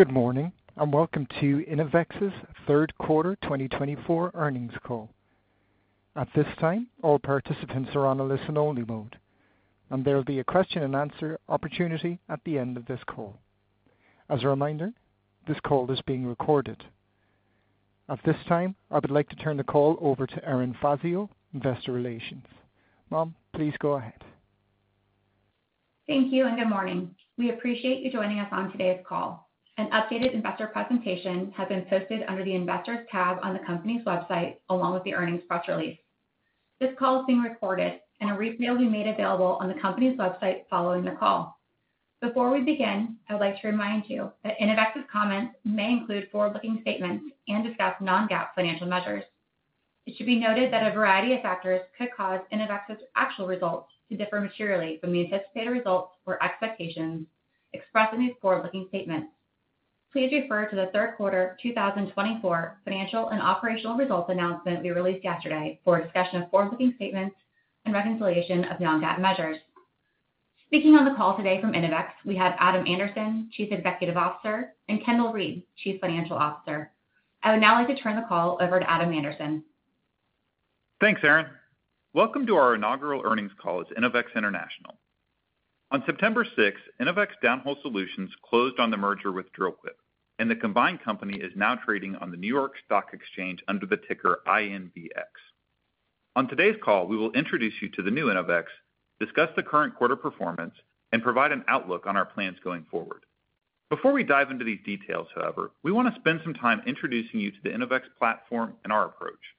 Good morning and welcome to Innovex's third quarter 2024 earnings call. At this time, all participants are on a listen-only mode, and there'll be a question-and-answer opportunity at the end of this call. As a reminder, this call is being recorded. At this time, I would like to turn the call over to Erin Fazio, Investor Relations. Erin, please go ahead. Thank you and good morning. We appreciate you joining us on today's call. An updated investor presentation has been posted under the Investors tab on the company's website, along with the earnings press release. This call is being recorded, and a replay will be made available on the company's website following the call. Before we begin, I would like to remind you that Innovex's comments may include forward-looking statements and discuss non-GAAP financial measures. It should be noted that a variety of factors could cause Innovex's actual results to differ materially from the anticipated results or expectations expressed in these forward-looking statements. Please refer to the third quarter 2024 financial and operational results announcement we released yesterday for discussion of forward-looking statements and reconciliation of non-GAAP measures. Speaking on the call today from Innovex, we have Adam Anderson, Chief Executive Officer, and Kendal Reed, Chief Financial Officer. I would now like to turn the call over to Adam Anderson. Thanks, Erin. Welcome to our inaugural earnings call at Innovex International. On September 6, Innovex Downhole Solutions closed on the merger with Dril-Quip, and the combined company is now trading on the New York Stock Exchange under the ticker INVX. On today's call, we will introduce you to the new Innovex, discuss the current quarter performance, and provide an outlook on our plans going forward. Before we dive into these details, however, we want to spend some time introducing you to the Innovex platform and our approach.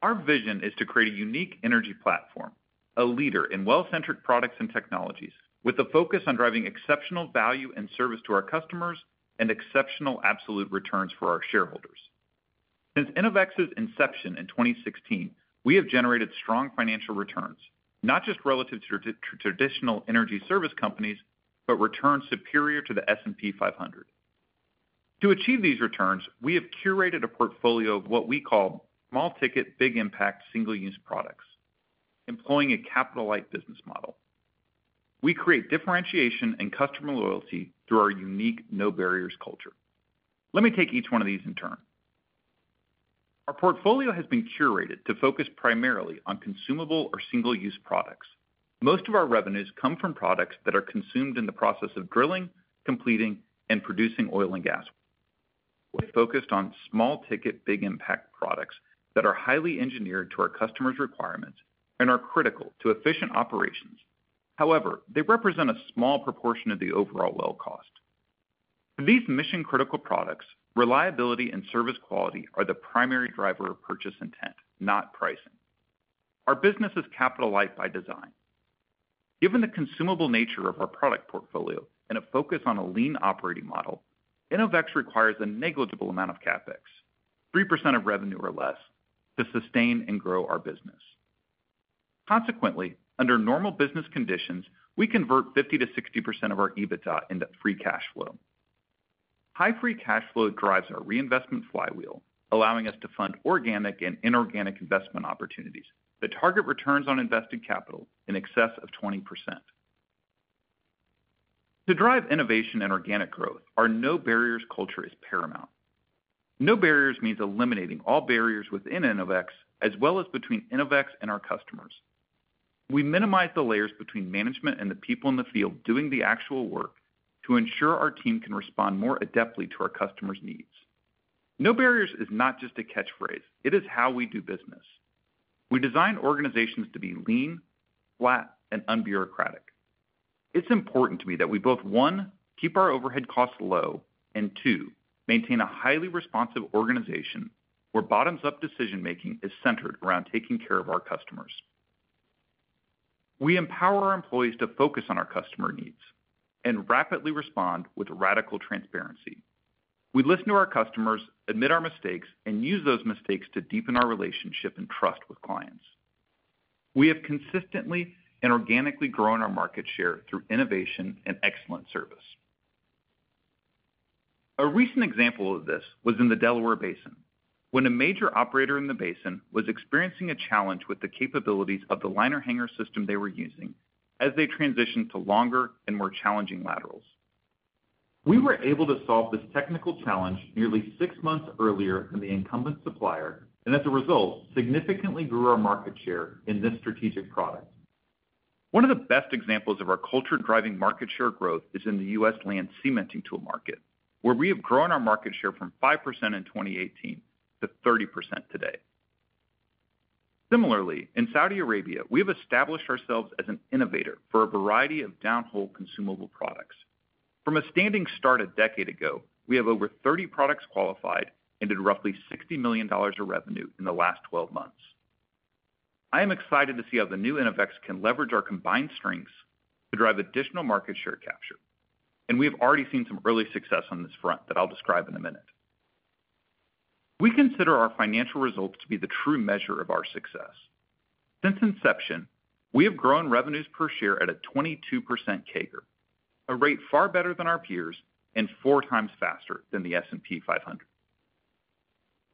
Our vision is to create a unique energy platform, a leader in well-centric products and technologies, with a focus on driving exceptional value and service to our customers and exceptional absolute returns for our shareholders. Since Innovex's inception in 2016, we have generated strong financial returns, not just relative to traditional energy service companies, but returns superior to the S&P 500. To achieve these returns, we have curated a portfolio of what we call small-ticket, big-impact, single-use products, employing a capital-light business model. We create differentiation and customer loyalty through our unique no-barriers culture. Let me take each one of these in turn. Our portfolio has been curated to focus primarily on consumable or single-use products. Most of our revenues come from products that are consumed in the process of drilling, completing, and producing oil and gas. We focused on small-ticket, big-impact products that are highly engineered to our customers' requirements and are critical to efficient operations. However, they represent a small proportion of the overall well cost. For these mission-critical products, reliability and service quality are the primary driver of purchase intent, not pricing. Our business is capital-light by design. Given the consumable nature of our product portfolio and a focus on a lean operating model, Innovex requires a negligible amount of CapEx, 3% of revenue or less, to sustain and grow our business. Consequently, under normal business conditions, we convert 50%-60% of our EBITDA into free cash flow. High free cash flow drives our reinvestment flywheel, allowing us to fund organic and inorganic investment opportunities that target returns on invested capital in excess of 20%. To drive innovation and organic growth, our no-barriers culture is paramount. No barriers means eliminating all barriers within Innovex, as well as between Innovex and our customers. We minimize the layers between management and the people in the field doing the actual work to ensure our team can respond more adeptly to our customers' needs. No barriers is not just a catchphrase. It is how we do business. We design organizations to be lean, flat, and unbureaucratic. It's important to me that we both, one, keep our overhead costs low, and two, maintain a highly responsive organization where bottoms-up decision-making is centered around taking care of our customers. We empower our employees to focus on our customer needs and rapidly respond with radical transparency. We listen to our customers, admit our mistakes, and use those mistakes to deepen our relationship and trust with clients. We have consistently and organically grown our market share through innovation and excellent service. A recent example of this was in the Delaware Basin, when a major operator in the basin was experiencing a challenge with the capabilities of the liner hanger system they were using as they transitioned to longer and more challenging laterals. We were able to solve this technical challenge nearly six months earlier than the incumbent supplier, and as a result, significantly grew our market share in this strategic product. One of the best examples of our culture driving market share growth is in the U.S. land cementing tool market, where we have grown our market share from 5% in 2018 to 30% today. Similarly, in Saudi Arabia, we have established ourselves as an innovator for a variety of downhole consumable products. From a standing start a decade ago, we have over 30 products qualified and did roughly $60 million of revenue in the last 12 months. I am excited to see how the new Innovex can leverage our combined strengths to drive additional market share capture, and we have already seen some early success on this front that I'll describe in a minute. We consider our financial results to be the true measure of our success. Since inception, we have grown revenues per share at a 22% CAGR, a rate far better than our peers and four times faster than the S&P 500.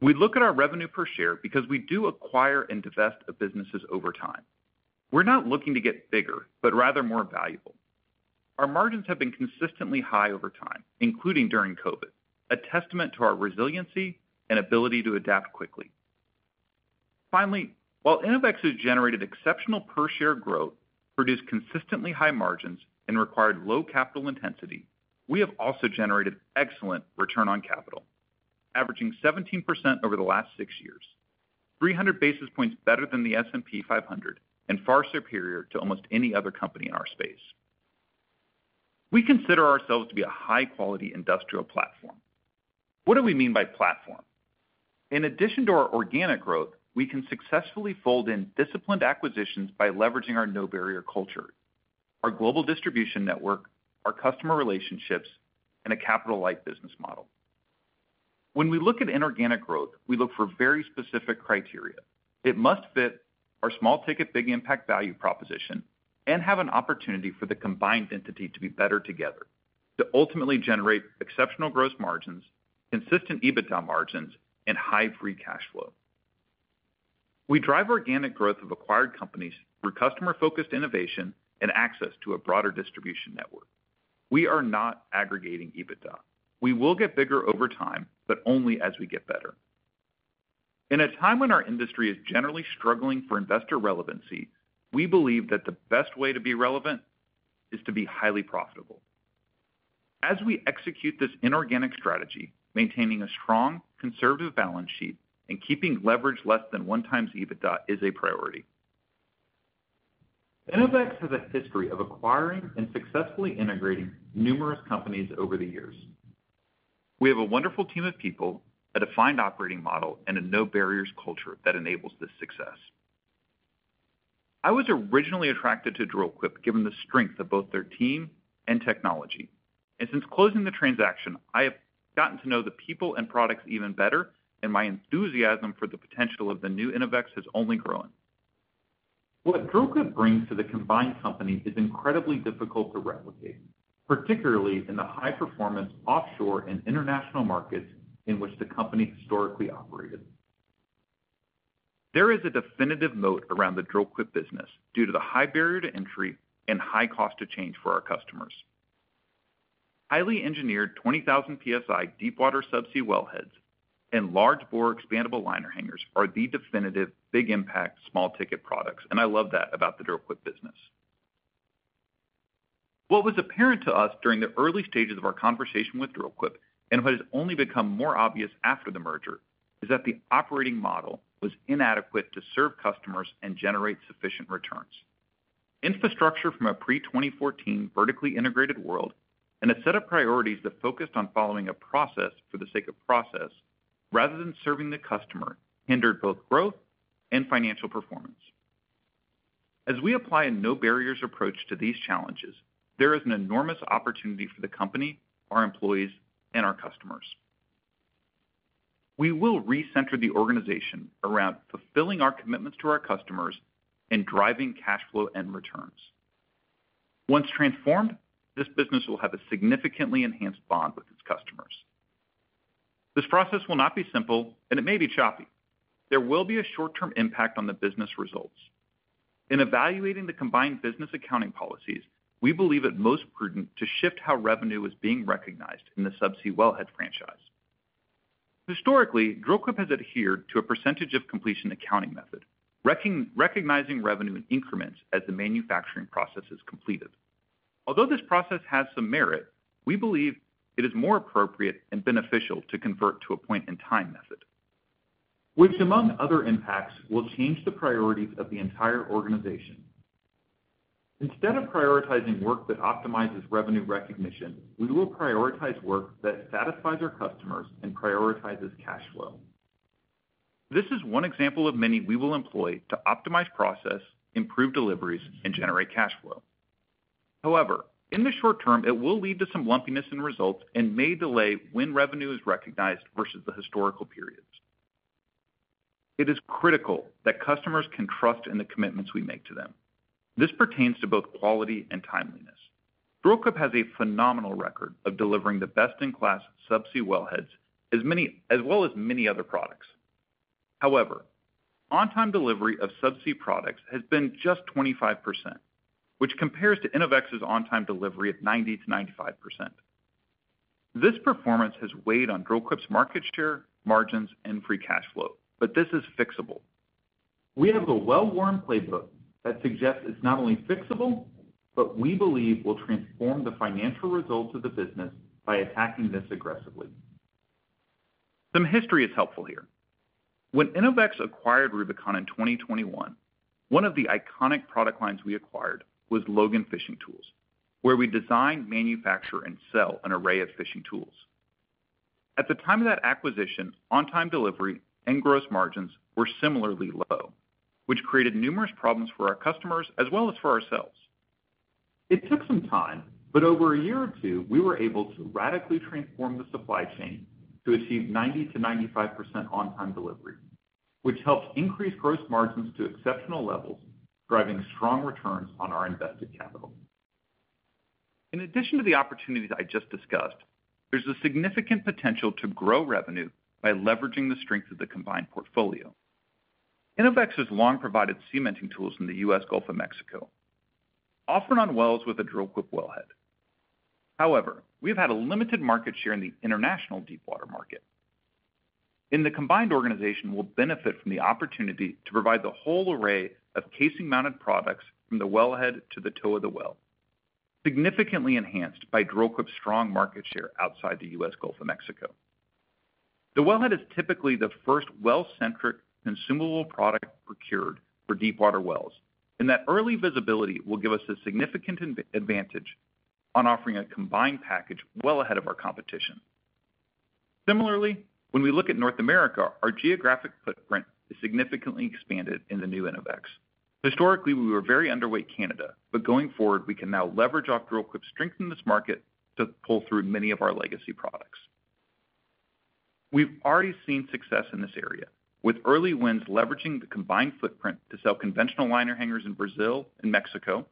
We look at our revenue per share because we do acquire and divest of businesses over time. We're not looking to get bigger, but rather more valuable. Our margins have been consistently high over time, including during COVID, a testament to our resiliency and ability to adapt quickly. Finally, while Innovex has generated exceptional per-share growth, produced consistently high margins, and required low capital intensity, we have also generated excellent return on capital, averaging 17% over the last six years, 300 basis points better than the S&P 500 and far superior to almost any other company in our space. We consider ourselves to be a high-quality industrial platform. What do we mean by platform? In addition to our organic growth, we can successfully fold in disciplined acquisitions by leveraging our no-barrier culture, our global distribution network, our customer relationships, and a capital-light business model. When we look at inorganic growth, we look for very specific criteria. It must fit our small-ticket, big-impact value proposition and have an opportunity for the combined entity to be better together to ultimately generate exceptional gross margins, consistent EBITDA margins, and high free cash flow. We drive organic growth of acquired companies through customer-focused innovation and access to a broader distribution network. We are not aggregating EBITDA. We will get bigger over time, but only as we get better. In a time when our industry is generally struggling for investor relevancy, we believe that the best way to be relevant is to be highly profitable. As we execute this inorganic strategy, maintaining a strong, conservative balance sheet and keeping leverage less than 1x EBITDA is a priority. Innovex has a history of acquiring and successfully integrating numerous companies over the years. We have a wonderful team of people, a defined operating model, and a no-barriers culture that enables this success. I was originally attracted to Dril-Quip given the strength of both their team and technology, and since closing the transaction, I have gotten to know the people and products even better, and my enthusiasm for the potential of the new Innovex has only grown. What Dril-Quip brings to the combined company is incredibly difficult to replicate, particularly in the high-performance offshore and international markets in which the company historically operated. There is a definitive moat around the Dril-Quip business due to the high barrier to entry and high cost to change for our customers. Highly engineered 20,000 PSI deepwater subsea wellheads and large bore expandable liner hangers are the definitive big-impact small-ticket products, and I love that about the Dril-Quip business. What was apparent to us during the early stages of our conversation with Dril-Quip, and what has only become more obvious after the merger, is that the operating model was inadequate to serve customers and generate sufficient returns. Infrastructure from a pre-2014 vertically integrated world and a set of priorities that focused on following a process for the sake of process rather than serving the customer hindered both growth and financial performance. As we apply a no-barriers approach to these challenges, there is an enormous opportunity for the company, our employees, and our customers. We will recenter the organization around fulfilling our commitments to our customers and driving cash flow and returns. Once transformed, this business will have a significantly enhanced bond with its customers. This process will not be simple, and it may be choppy. There will be a short-term impact on the business results. In evaluating the combined business accounting policies, we believe it most prudent to shift how revenue is being recognized in the subsea wellhead franchise. Historically, Dril-Quip has adhered to a percentage of completion accounting method, recognizing revenue in increments as the manufacturing process is completed. Although this process has some merit, we believe it is more appropriate and beneficial to convert to a point-in-time method, which, among other impacts, will change the priorities of the entire organization. Instead of prioritizing work that optimizes revenue recognition, we will prioritize work that satisfies our customers and prioritizes cash flow. This is one example of many we will employ to optimize process, improve deliveries, and generate cash flow. However, in the short term, it will lead to some lumpiness in results and may delay when revenue is recognized versus the historical periods. It is critical that customers can trust in the commitments we make to them. This pertains to both quality and timeliness. Dril-Quip has a phenomenal record of delivering the best-in-class subsea wellheads, as well as many other products. However, on-time delivery of subsea products has been just 25%, which compares to Innovex's on-time delivery at 90%-95%. This performance has weighed on Dril-Quip's market share, margins, and free cash flow, but this is fixable. We have a well-worn playbook that suggests it's not only fixable, but we believe will transform the financial results of the business by attacking this aggressively. Some history is helpful here. When Innovex acquired Rubicon in 2021, one of the iconic product lines we acquired was Logan Fishing Tools, where we design, manufacture, and sell an array of fishing tools. At the time of that acquisition, on-time delivery and gross margins were similarly low, which created numerous problems for our customers as well as for ourselves. It took some time, but over a year or two, we were able to radically transform the supply chain to achieve 90%-95% on-time delivery, which helped increase gross margins to exceptional levels, driving strong returns on our invested capital. In addition to the opportunities I just discussed, there's a significant potential to grow revenue by leveraging the strength of the combined portfolio. Innovex has long provided cementing tools in the U.S., Gulf, and Mexico, often on wells with a Dril-Quip wellhead. However, we have had a limited market share in the international deep-water market. In the combined organization, we'll benefit from the opportunity to provide the whole array of casing-mounted products from the wellhead to the toe of the well, significantly enhanced by Dril-Quip's strong market share outside the U.S., Gulf, and Mexico. The wellhead is typically the first well-centric consumable product procured for deep-water wells, and that early visibility will give us a significant advantage on offering a combined package well ahead of our competition. Similarly, when we look at North America, our geographic footprint is significantly expanded in the new Innovex. Historically, we were very underweight Canada, but going forward, we can now leverage off Dril-Quip to strengthen this market to pull through many of our legacy products. We've already seen success in this area, with early wins leveraging the combined footprint to sell conventional liner hangers in Brazil and Mexico,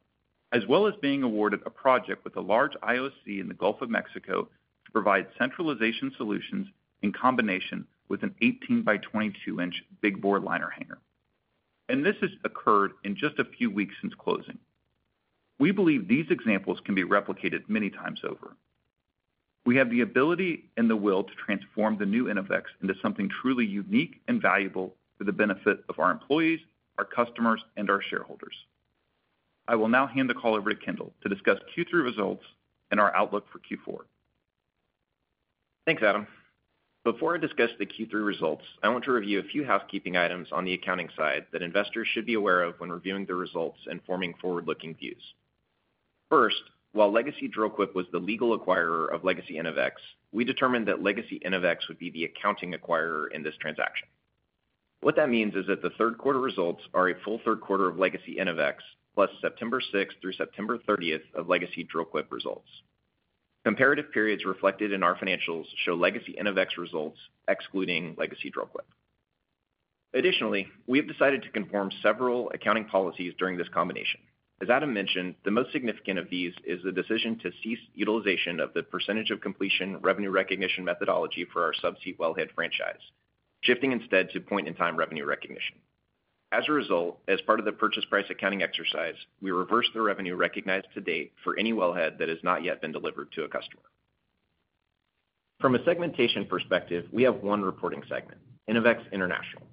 as well as being awarded a project with a large IOC in the Gulf of Mexico to provide centralization solutions in combination with an 18-by-22-inch big-bore liner hanger. And this has occurred in just a few weeks since closing. We believe these examples can be replicated many times over. We have the ability and the will to transform the new Innovex into something truly unique and valuable for the benefit of our employees, our customers, and our shareholders. I will now hand the call over to Kendal to discuss Q3 results and our outlook for Q4. Thanks, Adam. Before I discuss the Q3 results, I want to review a few housekeeping items on the accounting side that investors should be aware of when reviewing the results and forming forward-looking views. First, while Legacy Dril-Quip was the legal acquirer of Legacy Innovex, we determined that Legacy Innovex would be the accounting acquirer in this transaction. What that means is that the third-quarter results are a full third quarter of Legacy Innovex plus September 6th through September 30th of Legacy Dril-Quip results. Comparative periods reflected in our financials show Legacy Innovex results excluding Legacy Dril-Quip. Additionally, we have decided to conform several accounting policies during this combination. As Adam mentioned, the most significant of these is the decision to cease utilization of the percentage of completion revenue recognition methodology for our subsea wellhead franchise, shifting instead to point-in-time revenue recognition. As a result, as part of the purchase price accounting exercise, we reverse the revenue recognized to date for any wellhead that has not yet been delivered to a customer. From a segmentation perspective, we have one reporting segment, Innovex International.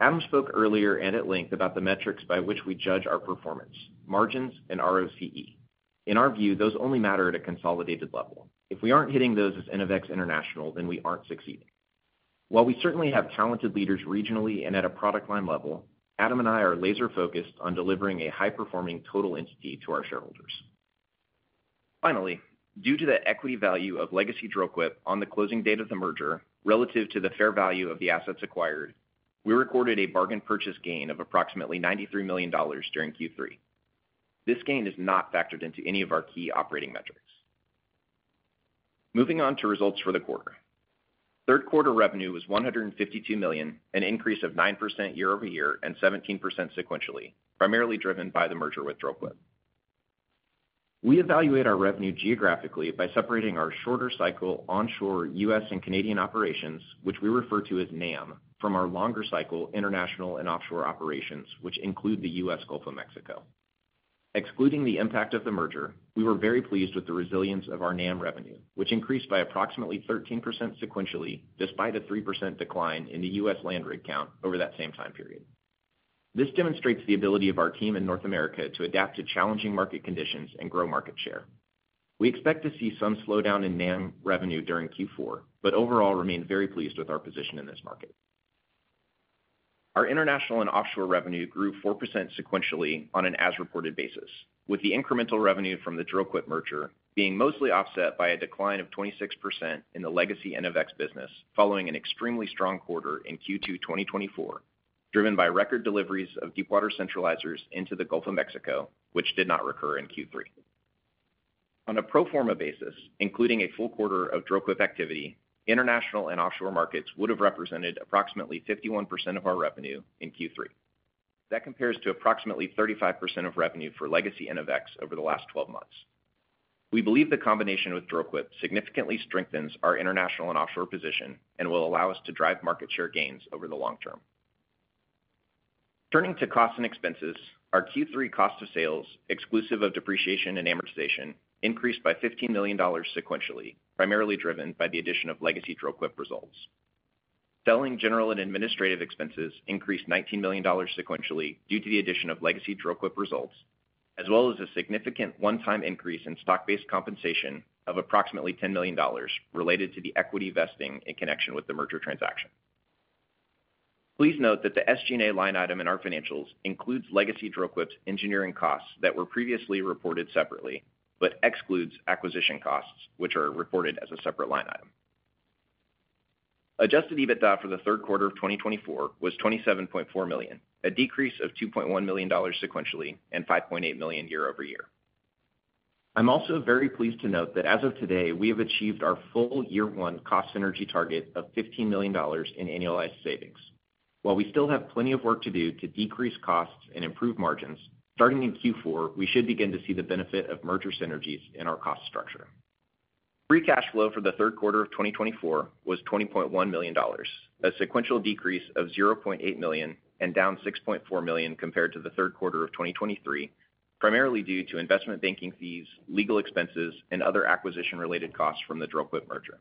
Adam spoke earlier and at length about the metrics by which we judge our performance, margins, and ROCE. In our view, those only matter at a consolidated level. If we aren't hitting those as Innovex International, then we aren't succeeding. While we certainly have talented leaders regionally and at a product line level, Adam and I are laser-focused on delivering a high-performing total entity to our shareholders. Finally, due to the equity value of Legacy Dril-Quip on the closing date of the merger relative to the fair value of the assets acquired, we recorded a bargain purchase gain of approximately $93 million during Q3. This gain is not factored into any of our key operating metrics. Moving on to results for the quarter. Third-quarter revenue was $152 million, an increase of 9% year-over-year and 17% sequentially, primarily driven by the merger with Dril-Quip. We evaluate our revenue geographically by separating our shorter cycle onshore U.S. and Canadian operations, which we refer to as NAM, from our longer cycle international and offshore operations, which include the U.S. Gulf of Mexico. Excluding the impact of the merger, we were very pleased with the resilience of our NAM revenue, which increased by approximately 13% sequentially despite a 3% decline in the U.S. land rig count over that same time period. This demonstrates the ability of our team in North America to adapt to challenging market conditions and grow market share. We expect to see some slowdown in NAM revenue during Q4, but overall remain very pleased with our position in this market. Our international and offshore revenue grew 4% sequentially on an as-reported basis, with the incremental revenue from the Dril-Quip merger being mostly offset by a decline of 26% in the Legacy Innovex business following an extremely strong quarter in Q2 2024, driven by record deliveries of deep-water centralizers into the Gulf of Mexico, which did not recur in Q3. On a pro forma basis, including a full quarter of Dril-Quip activity, international and offshore markets would have represented approximately 51% of our revenue in Q3. That compares to approximately 35% of revenue for Legacy Innovex over the last 12 months. We believe the combination with Dril-Quip significantly strengthens our international and offshore position and will allow us to drive market share gains over the long term. Turning to costs and expenses, our Q3 cost of sales, exclusive of depreciation and amortization, increased by $15 million sequentially, primarily driven by the addition of Legacy Dril-Quip results. Selling general and administrative expenses increased $19 million sequentially due to the addition of Legacy Dril-Quip results, as well as a significant one-time increase in stock-based compensation of approximately $10 million related to the equity vesting in connection with the merger transaction. Please note that the SG&A line item in our financials includes Legacy Dril-Quip's engineering costs that were previously reported separately, but excludes acquisition costs, which are reported as a separate line item. Adjusted EBITDA for the third quarter of 2024 was $27.4 million, a decrease of $2.1 million sequentially and $5.8 million year-over-year. I'm also very pleased to note that as of today, we have achieved our full year-one cost synergy target of $15 million in annualized savings. While we still have plenty of work to do to decrease costs and improve margins, starting in Q4, we should begin to see the benefit of merger synergies in our cost structure. Free cash flow for the third quarter of 2024 was $20.1 million, a sequential decrease of $0.8 million and down $6.4 million compared to the third quarter of 2023, primarily due to investment banking fees, legal expenses, and other acquisition-related costs from the Dril-Quip merger.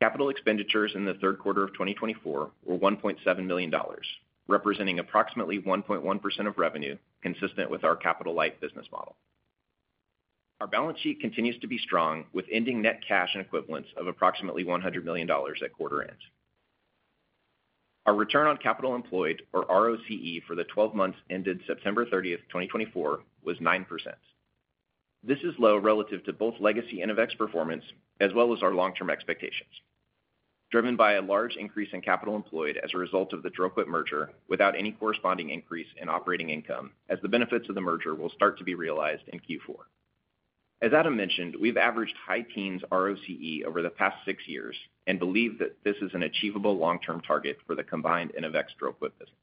Capital expenditures in the third quarter of 2024 were $1.7 million, representing approximately 1.1% of revenue, consistent with our capital-light business model. Our balance sheet continues to be strong, with ending net cash and equivalents of approximately $100 million at quarter end. Our return on capital employed, or ROCE, for the 12 months ended September 30th, 2024, was 9%. This is low relative to both Legacy Innovex performance as well as our long-term expectations. Driven by a large increase in capital employed as a result of the Dril-Quip merger without any corresponding increase in operating income, as the benefits of the merger will start to be realized in Q4. As Adam mentioned, we've averaged high teens ROCE over the past six years and believe that this is an achievable long-term target for the combined Innovex-Dril-Quip business.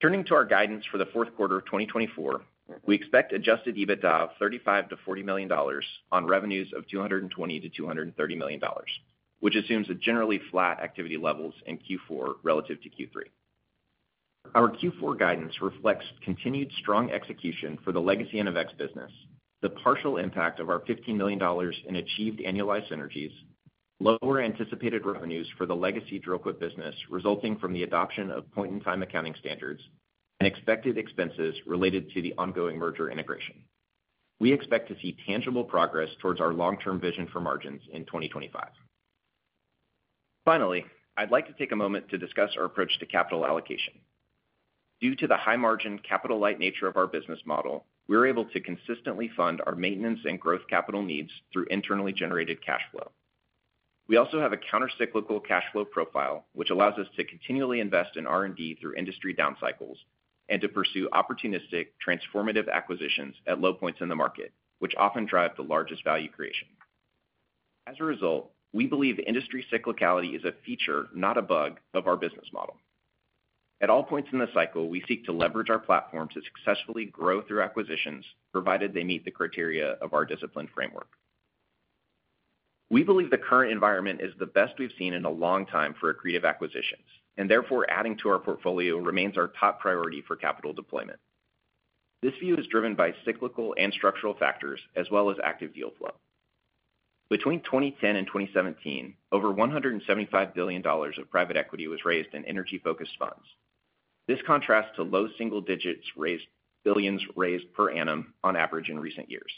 Turning to our guidance for the fourth quarter of 2024, we expect Adjusted EBITDA of $35 million-$40 million on revenues of $220 million-$230 million, which assumes generally flat activity levels in Q4 relative to Q3. Our Q4 guidance reflects continued strong execution for the Legacy Innovex business, the partial impact of our $15 million in achieved annualized synergies, lower anticipated revenues for the Legacy Dril-Quip business resulting from the adoption of point-in-time accounting standards, and expected expenses related to the ongoing merger integration. We expect to see tangible progress towards our long-term vision for margins in 2025. Finally, I'd like to take a moment to discuss our approach to capital allocation. Due to the high-margin capital-light nature of our business model, we're able to consistently fund our maintenance and growth capital needs through internally generated cash flow. We also have a countercyclical cash flow profile, which allows us to continually invest in R&D through industry down cycles and to pursue opportunistic transformative acquisitions at low points in the market, which often drive the largest value creation. As a result, we believe industry cyclicality is a feature, not a bug, of our business model. At all points in the cycle, we seek to leverage our platform to successfully grow through acquisitions, provided they meet the criteria of our disciplined framework. We believe the current environment is the best we've seen in a long time for accretive acquisitions, and therefore adding to our portfolio remains our top priority for capital deployment. This view is driven by cyclical and structural factors, as well as active deal flow. Between 2010 and 2017, over $175 billion of private equity was raised in energy-focused funds. This contrasts to low single digits billions raised per annum on average in recent years.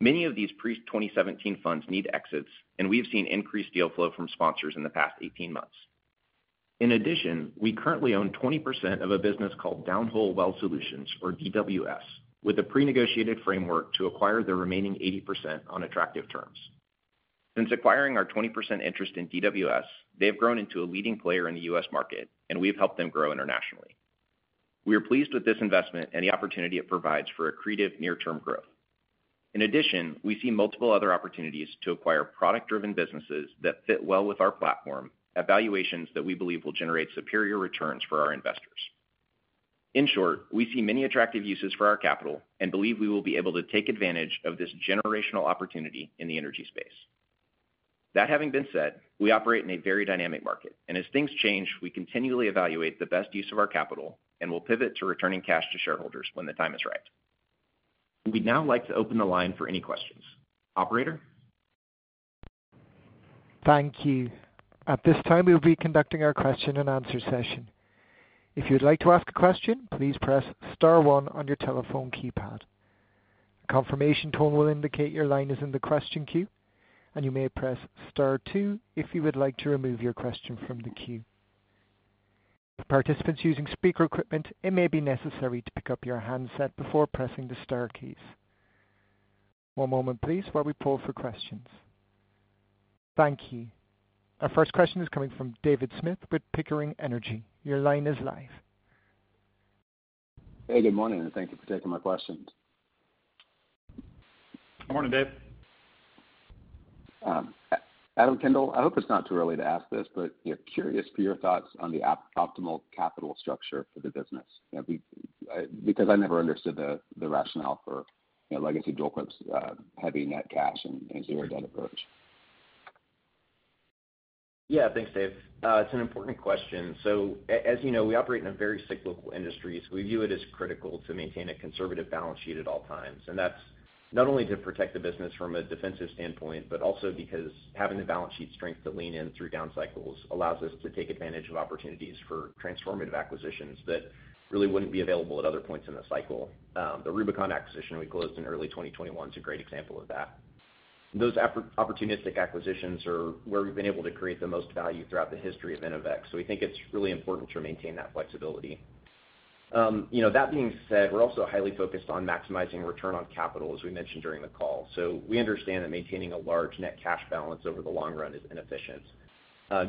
Many of these pre-2017 funds need exits, and we've seen increased deal flow from sponsors in the past 18 months. In addition, we currently own 20% of a business called Downhole Well Solutions, or DWS, with a pre-negotiated framework to acquire the remaining 80% on attractive terms. Since acquiring our 20% interest in DWS, they have grown into a leading player in the U.S. market, and we've helped them grow internationally. We are pleased with this investment and the opportunity it provides for accretive near-term growth. In addition, we see multiple other opportunities to acquire product-driven businesses that fit well with our platform at valuations that we believe will generate superior returns for our investors. In short, we see many attractive uses for our capital and believe we will be able to take advantage of this generational opportunity in the energy space. That having been said, we operate in a very dynamic market, and as things change, we continually evaluate the best use of our capital and will pivot to returning cash to shareholders when the time is right. We'd now like to open the line for any questions. Operator? Thank you. At this time, we'll be conducting our question-and-answer session. If you'd like to ask a question, please press star one on your telephone keypad. A confirmation tone will indicate your line is in the question queue, and you may press star two if you would like to remove your question from the queue. For participants using speaker equipment, it may be necessary to pick up your handset before pressing the star keys. One moment, please, while we pull for questions. Thank you. Our first question is coming from David Smith with Pickering Energy. Your line is live. Hey, good morning, and thank you for taking my question. Good morning, Dave. Adam, Kendal, I hope it's not too early to ask this, but curious for your thoughts on the optimal capital structure for the business, because I never understood the rationale for Legacy Dril-Quip's heavy net cash and zero-debt approach. Yeah, thanks, Dave. It's an important question. So, as you know, we operate in a very cyclical industry, so we view it as critical to maintain a conservative balance sheet at all times. And that's not only to protect the business from a defensive standpoint, but also because having the balance sheet strength to lean in through down cycles allows us to take advantage of opportunities for transformative acquisitions that really wouldn't be available at other points in the cycle. The Rubicon acquisition we closed in early 2021 is a great example of that. Those opportunistic acquisitions are where we've been able to create the most value throughout the history of Innovex, so we think it's really important to maintain that flexibility. That being said, we're also highly focused on maximizing return on capital, as we mentioned during the call. So, we understand that maintaining a large net cash balance over the long run is inefficient.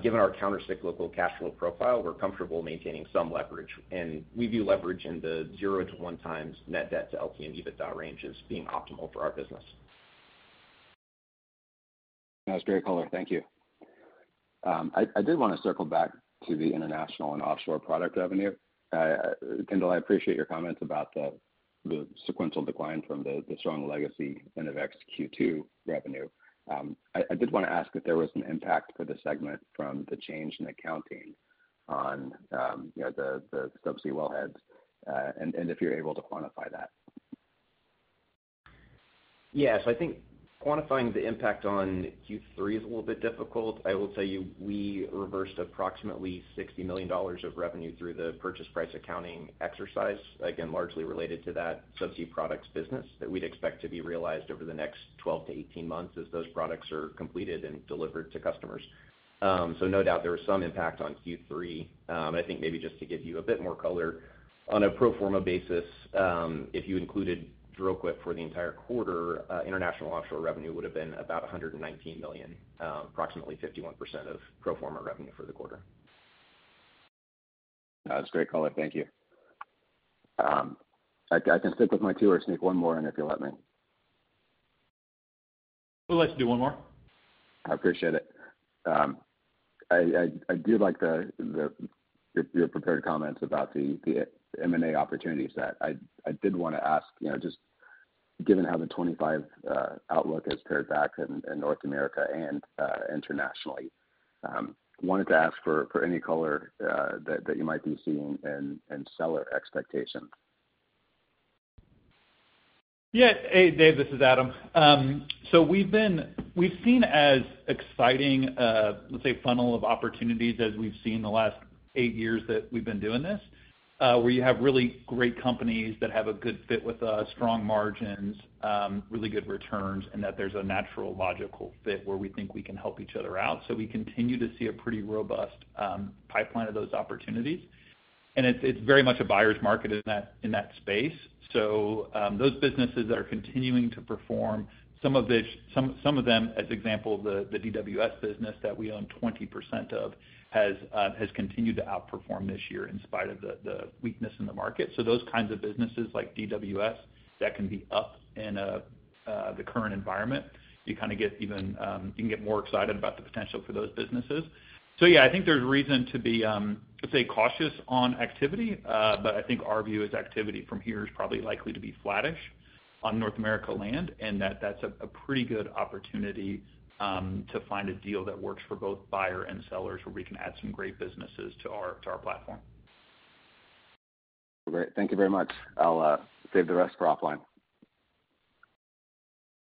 Given our countercyclical cash flow profile, we're comfortable maintaining some leverage, and we view leverage in the zero to one times net debt to LTM EBITDA ranges being optimal for our business. That was great color. Thank you. I did want to circle back to the international and offshore product revenue. Kendal, I appreciate your comments about the sequential decline from the strong Legacy Innovex Q2 revenue. I did want to ask if there was an impact for the segment from the change in accounting on the subsea wellheads, and if you're able to quantify that. Yes, I think quantifying the impact on Q3 is a little bit difficult. I will tell you we reversed approximately $60 million of revenue through the purchase price accounting exercise, again, largely related to that subsea products business that we'd expect to be realized over the next 12 months-18 months as those products are completed and delivered to customers. So, no doubt there was some impact on Q3. I think maybe just to give you a bit more color, on a pro forma basis, if you included Dril-Quip for the entire quarter, international offshore revenue would have been about $119 million, approximately 51% of pro forma revenue for the quarter. That's great color. Thank you. I can stick with my two words, one more in, if you'll let me. Let's do one more? I appreciate it. I do like your prepared comments about the M&A opportunities that I did want to ask, just given how the 2025 outlook has fared back in North America and internationally, wanted to ask for any color that you might be seeing in seller expectations. Yeah, hey, Dave, this is Adam. So, we've seen as exciting, let's say, funnel of opportunities as we've seen the last eight years that we've been doing this, where you have really great companies that have a good fit with us, strong margins, really good returns, and that there's a natural, logical fit where we think we can help each other out. So, we continue to see a pretty robust pipeline of those opportunities. It's very much a buyer's market in that space. So, those businesses that are continuing to perform, some of them, as example, the DWS business that we own 20% of has continued to outperform this year in spite of the weakness in the market. So, those kinds of businesses like DWS that can be up in the current environment, you kind of get even you can get more excited about the potential for those businesses. So, yeah, I think there's reason to be, let's say, cautious on activity, but I think our view is activity from here is probably likely to be flattish on North America land, and that's a pretty good opportunity to find a deal that works for both buyer and sellers, where we can add some great businesses to our platform. Great. Thank you very much. I'll save the rest for offline.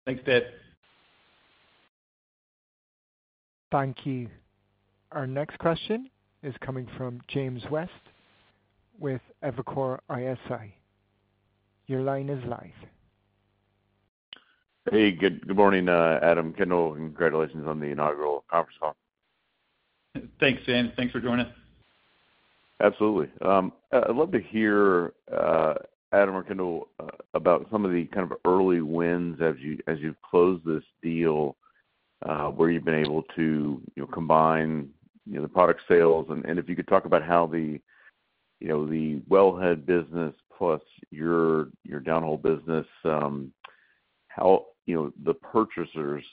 Thanks, Dave. Thank you. Our next question is coming from James West with Evercore ISI. Your line is live. Hey, good morning, Adam and Kendall, and congratulations on the inaugural conference call. Thanks, Jim. Thanks for joining us. Absolutely. I'd love to hear, Adam or Kendall, about some of the kind of early wins as you've closed this deal, where you've been able to combine the product sales. And if you could talk about how the wellhead business plus your downhole business, how the purchasers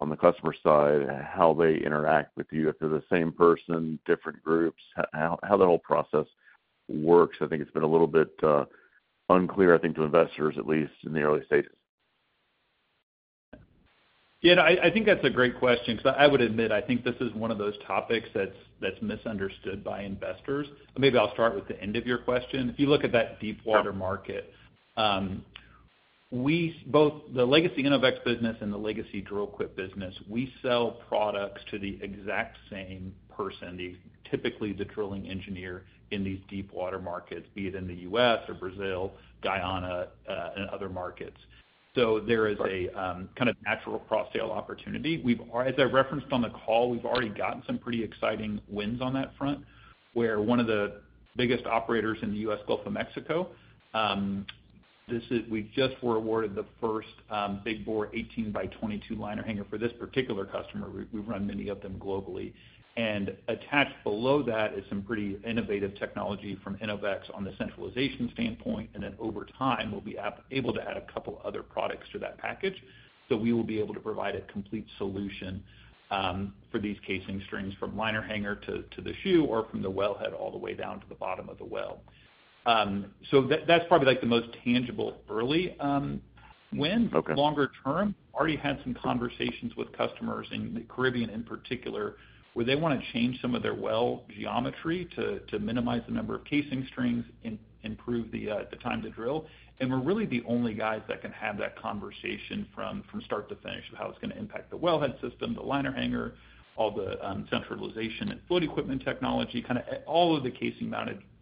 on the customer side, how they interact with you, if they're the same person, different groups, how the whole process works. I think it's been a little bit unclear, I think, to investors, at least in the early stages. Yeah, I think that's a great question because I would admit I think this is one of those topics that's misunderstood by investors. Maybe I'll start with the end of your question. If you look at that deep water market, the Legacy Innovex business and the Legacy Dril-Quip business, we sell products to the exact same person, typically the drilling engineer in these deep water markets, be it in the U.S. or Brazil, Guyana, and other markets. So, there is a kind of natural cross-sale opportunity. As I referenced on the call, we've already gotten some pretty exciting wins on that front, where one of the biggest operators in the U.S. Gulf of Mexico. We just were awarded the first big bore 18 by 22 liner hanger for this particular customer. We've run many of them globally. And attached below that is some pretty innovative technology from Innovex on the centralization standpoint. And then, over time, we'll be able to add a couple of other products to that package. We will be able to provide a complete solution for these casing strings from liner hanger to the shoe or from the wellhead all the way down to the bottom of the well. That's probably the most tangible early win. Longer term, already had some conversations with customers in the Caribbean in particular, where they want to change some of their well geometry to minimize the number of casing strings and improve the time to drill. We're really the only guys that can have that conversation from start to finish of how it's going to impact the wellhead system, the liner hanger, all the centralizers and float equipment technology, kind of all of the casing-mounted equipment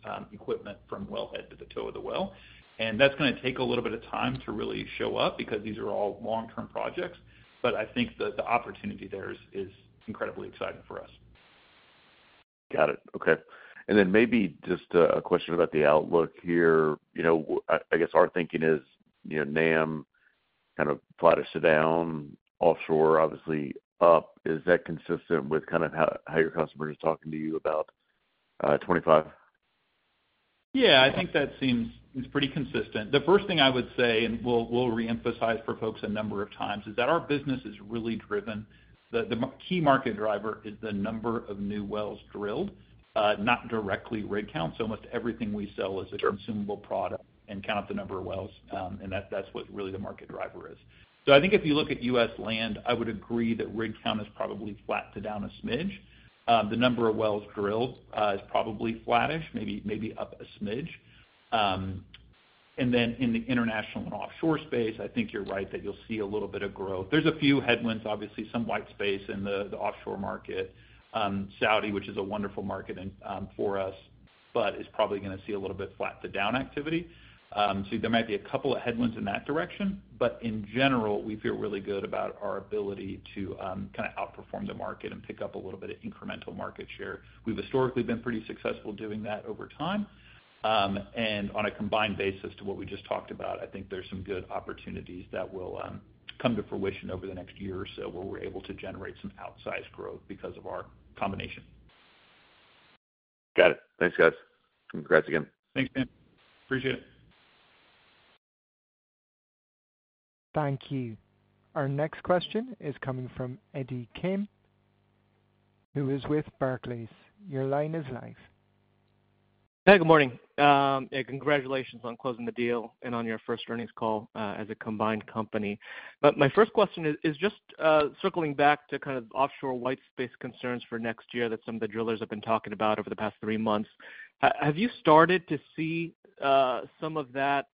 from wellhead to the toe of the well. That's going to take a little bit of time to really show up because these are all long-term projects. But I think the opportunity there is incredibly exciting for us. Got it. Okay. And then maybe just a question about the outlook here. I guess our thinking is NAM kind of flattish to down, offshore obviously up. Is that consistent with kind of how your customers are talking to you about 2025? Yeah, I think that seems pretty consistent. The first thing I would say, and we'll reemphasize for folks a number of times, is that our business is really driven. The key market driver is the number of new wells drilled, not directly rig count. So, almost everything we sell is a consumable product and count the number of wells. And that's what really the market driver is. So, I think if you look at U.S. land, I would agree that rig count is probably flat to down a smidge. The number of wells drilled is probably flattish, maybe up a smidge, and then in the international and offshore space, I think you're right that you'll see a little bit of growth. There's a few headwinds, obviously, some white space in the offshore market, Saudi, which is a wonderful market for us, but is probably going to see a little bit flat to down activity, so there might be a couple of headwinds in that direction, but in general, we feel really good about our ability to kind of outperform the market and pick up a little bit of incremental market share. We've historically been pretty successful doing that over time. On a combined basis to what we just talked about, I think there's some good opportunities that will come to fruition over the next year or so where we're able to generate some outsized growth because of our combination. Got it. Thanks, guys. Congrats again. Thanks, Jim. Appreciate it. Thank you. Our next question is coming from Eddie Kim, who is with Barclays. Your line is live. Hey, good morning. Congratulations on closing the deal and on your first earnings call as a combined company. But my first question is just circling back to kind of offshore white space concerns for next year that some of the drillers have been talking about over the past three months. Have you started to see some of that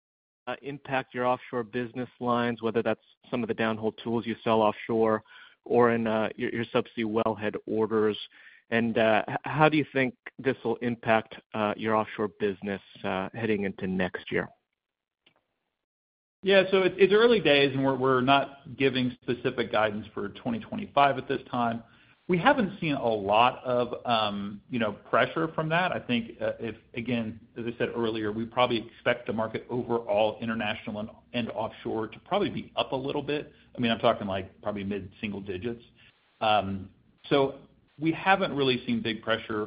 impact your offshore business lines, whether that's some of the downhole tools you sell offshore or in your subsea wellhead orders? And how do you think this will impact your offshore business heading into next year? Yeah, so it's early days, and we're not giving specific guidance for 2025 at this time. We haven't seen a lot of pressure from that. I think, again, as I said earlier, we probably expect the market overall, international and offshore, to probably be up a little bit. I mean, I'm talking like probably mid-single digits. So, we haven't really seen big pressure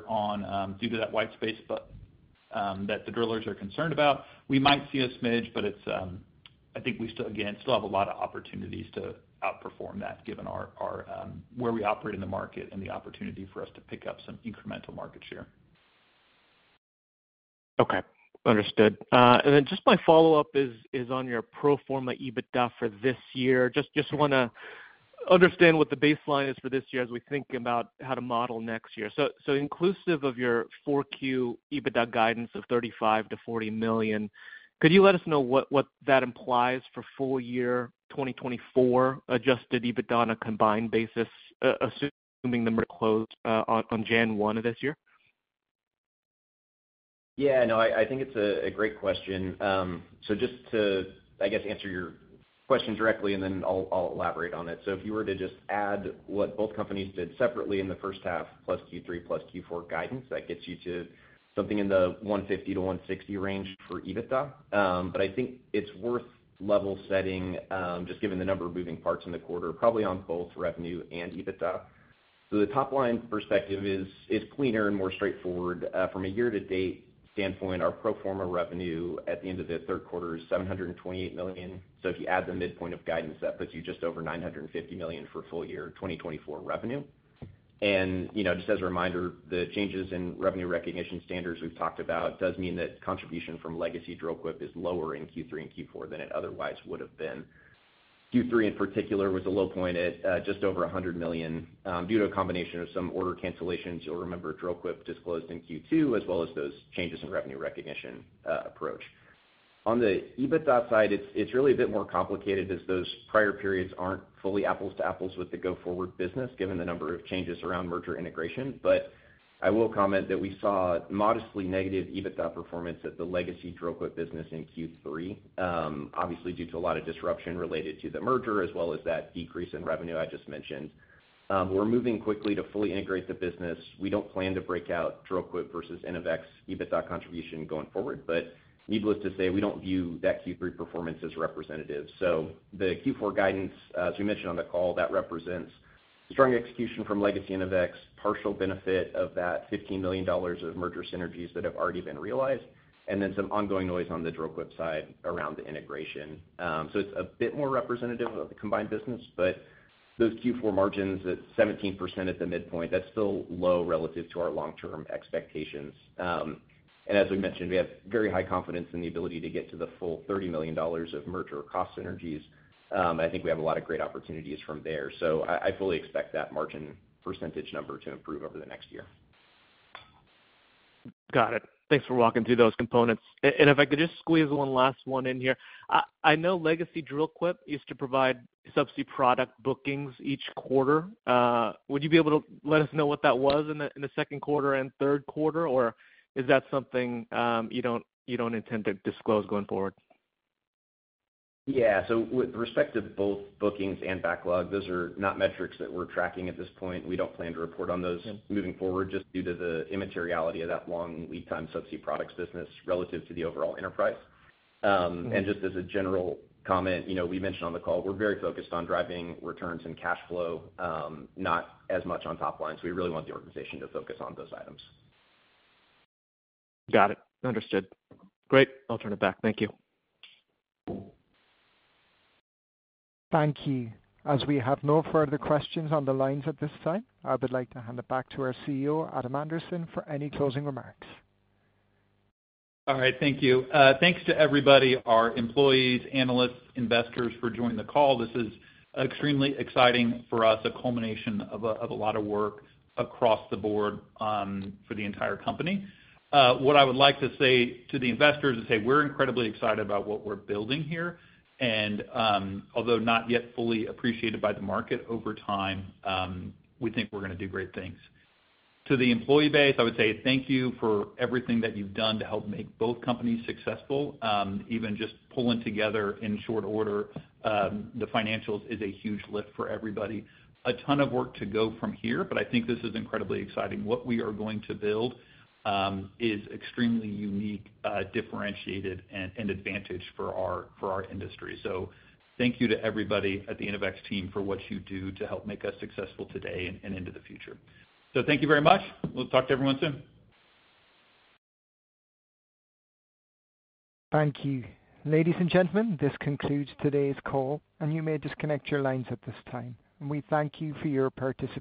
due to that white space that the drillers are concerned about. We might see a smidge, but I think we, again, still have a lot of opportunities to outperform that given where we operate in the market and the opportunity for us to pick up some incremental market share. Okay. Understood. And then just my follow-up is on your pro forma EBITDA for this year. Just want to understand what the baseline is for this year as we think about how to model next year. So, inclusive of your 4Q EBITDA guidance of $35 million-$40 million, could you let us know what that implies for full year 2024 Adjusted EBITDA on a combined basis, assuming the merger closed on January 1 of this year? Yeah. No, I think it's a great question. So, just to, I guess, answer your question directly, and then I'll elaborate on it. So, if you were to just add what both companies did separately in the first half plus Q3 plus Q4 guidance, that gets you to something in the $150-$160 range for EBITDA. But I think it's worth level setting, just given the number of moving parts in the quarter, probably on both revenue and EBITDA. So, the top-line perspective is cleaner and more straightforward. From a year-to-date standpoint, our pro forma revenue at the end of the third quarter is $728 million. So, if you add the midpoint of guidance, that puts you just over $950 million for full year 2024 revenue. And just as a reminder, the changes in revenue recognition standards we've talked about does mean that contribution from Legacy Dril-Quip is lower in Q3 and Q4 than it otherwise would have been. Q3, in particular, was a low point at just over $100 million due to a combination of some order cancellations. You'll remember Dril-Quip disclosed in Q2, as well as those changes in revenue recognition approach. On the EBITDA side, it's really a bit more complicated as those prior periods aren't fully apples to apples with the go-forward business, given the number of changes around merger integration. But I will comment that we saw modestly negative EBITDA performance at the Legacy Dril-Quip business in Q3, obviously due to a lot of disruption related to the merger, as well as that decrease in revenue I just mentioned. We're moving quickly to fully integrate the business. We don't plan to break out Dril-Quip versus Innovex EBITDA contribution going forward. But needless to say, we don't view that Q3 performance as representative. So, the Q4 guidance, as we mentioned on the call, that represents strong execution from Legacy Innovex, partial benefit of that $15 million of merger synergies that have already been realized, and then some ongoing noise on the Dril-Quip side around the integration. So, it's a bit more representative of the combined business, but those Q4 margins at 17% at the midpoint, that's still low relative to our long-term expectations. As we mentioned, we have very high confidence in the ability to get to the full $30 million of merger cost synergies. I think we have a lot of great opportunities from there. I fully expect that margin percentage number to improve over the next year. Got it. Thanks for walking through those components. If I could just squeeze one last one in here. I know Legacy Dril-Quip used to provide subsea product bookings each quarter. Would you be able to let us know what that was in the second quarter and third quarter, or is that something you don't intend to disclose going forward? Yeah. With respect to both bookings and backlog, those are not metrics that we're tracking at this point. We don't plan to report on those moving forward just due to the immateriality of that long lead-time subsea products business relative to the overall enterprise, and just as a general comment, we mentioned on the call, we're very focused on driving returns and cash flow, not as much on top lines. We really want the organization to focus on those items. Got it. Understood. Great. I'll turn it back. Thank you. Thank you. As we have no further questions on the lines at this time, I would like to hand it back to our CEO, Adam Anderson, for any closing remarks. All right. Thank you. Thanks to everybody, our employees, analysts, investors for joining the call. This is extremely exciting for us, a culmination of a lot of work across the board for the entire company. What I would like to say to the investors is, hey, we're incredibly excited about what we're building here. And although not yet fully appreciated by the market over time, we think we're going to do great things. To the employee base, I would say thank you for everything that you've done to help make both companies successful. Even just pulling together in short order, the financials is a huge lift for everybody. A ton of work to go from here, but I think this is incredibly exciting. What we are going to build is extremely unique, differentiated, and advantageous for our industry. So, thank you to everybody at the Innovex team for what you do to help make us successful today and into the future. So, thank you very much. We'll talk to everyone soon. Thank you. Ladies and gentlemen, this concludes today's call, and you may disconnect your lines at this time. We thank you for your participation.